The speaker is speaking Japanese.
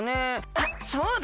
あっそうだ！